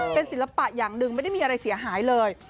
เป็นศิลปะอย่างหนึ่งไม่ได้มีอะไรเสียหายเลย